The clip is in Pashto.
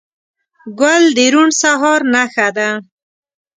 ګل د روڼ سهار نښه ده.